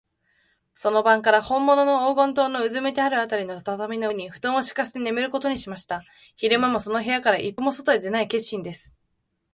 その晩から、ほんものの黄金塔のうずめてあるあたりの畳の上に、ふとんをしかせてねむることにしました。昼間も、その部屋から一歩も外へ出ない決心です。